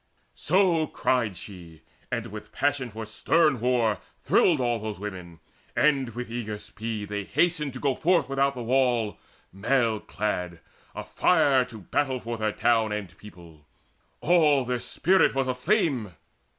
So cried she, and with passion for stern war Thrilled all those women; and with eager speed They hasted to go forth without the wall Mail clad, afire to battle for their town And people: all their spirit was aflame.